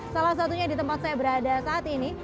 salah satunya di tempat saya berada saat ini